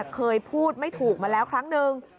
เคยพูดไม่ถูกมาแล้วครั้งนึง